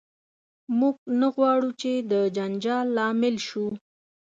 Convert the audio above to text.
موږ نه غواړو چې د جنجال لامل شو.